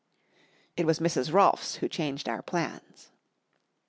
It was Mrs. Rolfs who changed our plans.